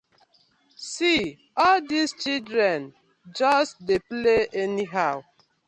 See all dis children just dey play anyhow.